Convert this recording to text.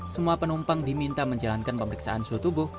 semua penumpang diminta menjalankan pemeriksaan suhu tubuh